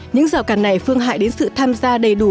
những rào cản này phương hại đến sự tham gia đầy đủ